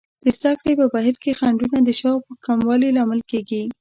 د زده کړې په بهیر کې خنډونه د شوق په کموالي لامل کیږي.